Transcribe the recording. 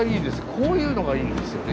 こういうのがいいんですよね。